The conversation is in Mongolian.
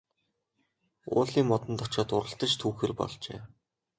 Уулын модонд очоод уралдаж түүхээр болжээ.